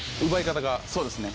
そうですね